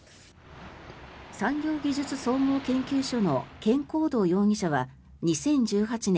産業技術総合研究所のケン・コウドウ容疑者は２０１８年